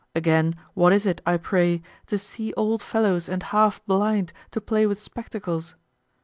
Again what is it, I pray, to see old fellows and half blind to play with spectacles?